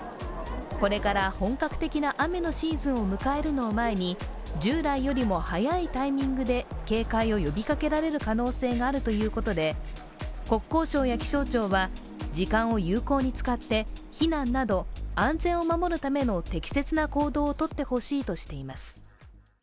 これから本格的な雨のシーズンを迎えるのを前に、従来よりも早いタイミングで警戒を呼びかけられる可能性があるということで国交省や気象庁は時間を有効に使って避難など安全を守るための適切な行動をとってほしいとしています。